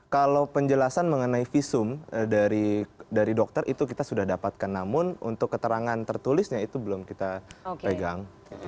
kalau penjelasan mengenai visum dari dokter itu kita sudah dapatkan namun untuk keterangan tertulisnya itu belum kita pegang